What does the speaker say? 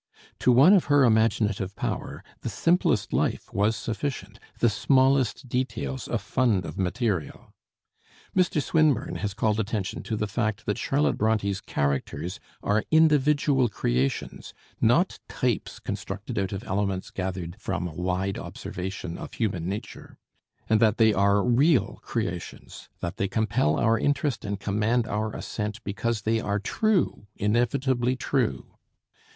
To one of her imaginative power, the simplest life was sufficient, the smallest details a fund of material. Mr. Swinburne has called attention to the fact that Charlotte Bronté's characters are individual creations, not types constructed out of elements gathered from a wide observation of human nature, and that they are real creations; that they compel our interest and command our assent because they are true, inevitably true.